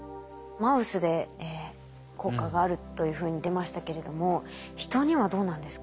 マウスで効果があるというふうに出ましたけれども人にはどうなんですか？